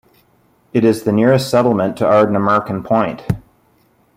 It is the nearest settlement to Ardnamurchan Point.